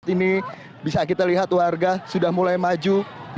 ini bisa kita lihat warga sudah mulai maju